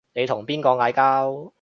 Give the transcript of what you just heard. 你同邊個嗌交